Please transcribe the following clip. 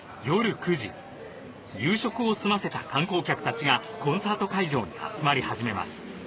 夜９時夕食をすませた観光客たちがコンサート会場に集まり始めます